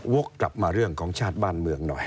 วกกลับมาเรื่องของชาติบ้านเมืองหน่อย